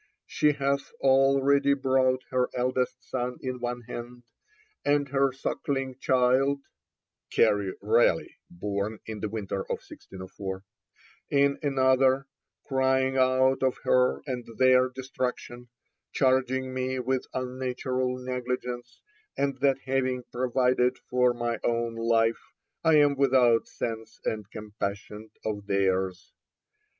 She hath already brought her eldest son in one hand, and her sucking child [Carew Raleigh, born in the winter of 1604] in another, crying out of her and their destruction; charging me with unnatural negligence, and that having provided for my own life, I am without sense and compassion of theirs.